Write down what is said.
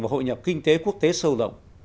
và hội nhập kinh tế quốc tế sâu rộng